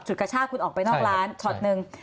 ฉุดกระช่าคุณออกไปนอกร้านฉอดนึง